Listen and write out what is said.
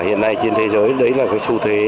hiện nay trên thế giới đấy là cái xu thế